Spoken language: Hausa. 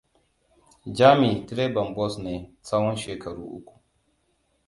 Jami direban bus ne tsawon shekaru uku.